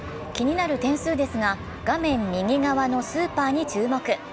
気になる点数ですが、画面右側のスーパーに注目。